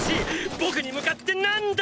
僕に向かって何だ！！